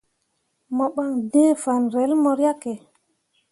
Mo ɓan d̃ǝǝ fanrel mo riahke.